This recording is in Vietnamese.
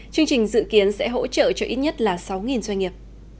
chương trình dự kiến sẽ hỗ trợ cho ít nhất là sáu doanh nghiệp